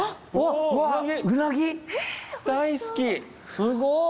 すごい。